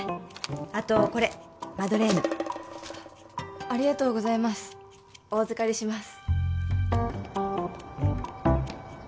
あとこれマドレーヌありがとうございますお預かりします